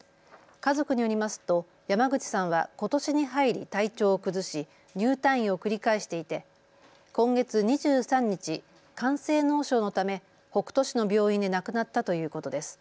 家族によりますと山口さんはことしに入り体調を崩し入退院を繰り返していて今月２３日、肝性脳症のため北杜市の病院で亡くなったということです。